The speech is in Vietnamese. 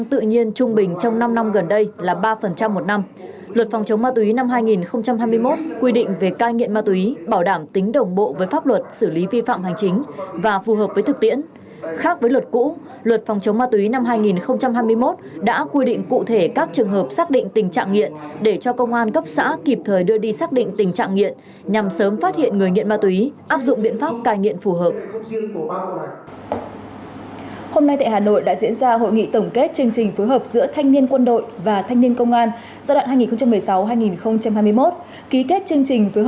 giai đoạn hai nghìn một mươi sáu hai nghìn hai mươi một ký kết chương trình phối hợp giữa giai đoạn hai nghìn hai mươi hai hai nghìn hai mươi sáu